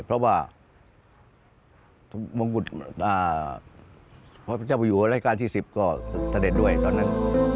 เพราะว่ามงกุฎพระเจ้าอยู่หัวราชการที่๑๐ก็เสด็จด้วยตอนนั้น